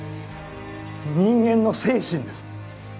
人間の精神です。